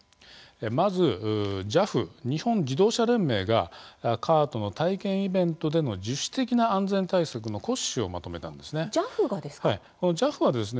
まず、ＪＡＦ・日本自動車連盟がカートの体験イベントでの自主的な安全対策の骨子をＪＡＦがですか？